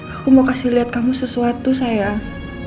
aku mau kasih lihat kamu sesuatu sayang